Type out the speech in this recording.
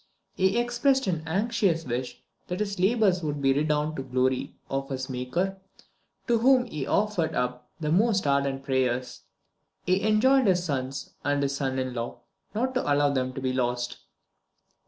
He expressed an anxious wish that his labours would redound to the glory of his Maker, to whom he offered up the most ardent prayers. He enjoined his sons and his son in law not to allow them to be lost.